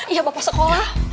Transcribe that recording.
iya bapak sekolah